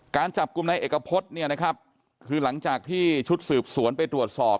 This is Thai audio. การจับกลุ่มในเอกพฤษเนี่ยนะครับคือหลังจากที่ชุดสืบสวนไปตรวจสอบ